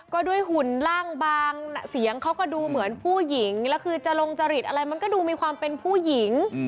ก็ด้วยหุ่นล่างบางเสียงเขาก็ดูเหมือนผู้หญิงแล้วคือจะลงจริตอะไรมันก็ดูมีความเป็นผู้หญิง